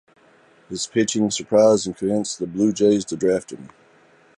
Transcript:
His pitching surprised and convinced the Blue Jays to draft him.